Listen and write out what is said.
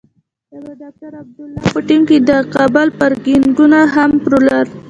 د ډاکټر عبدالله په ټیم کې د کابل پارکېنګونه هم پلورل شوي.